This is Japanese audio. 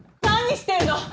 何してるの！？